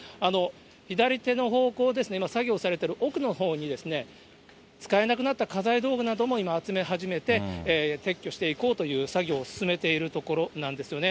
左手の方向ですね、今、作業をされてる奥のほうに、使えなくなった家財道具なども今、集め始めて、撤去していこうという作業を進めているところなんですよね。